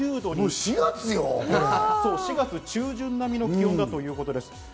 ４月中旬並みの気温だということです。